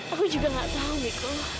aku juga gak tahu gitu